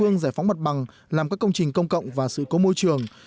nằm các công trình công cộng và sự cố môi trường